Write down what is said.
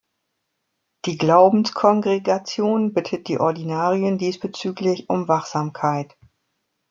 Die Glaubenskongregation bittet die Ordinarien diesbezüglich um Wachsamkeit.